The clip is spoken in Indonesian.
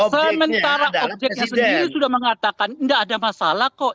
sementara objeknya sendiri sudah mengatakan tidak ada masalah kok